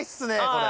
これ。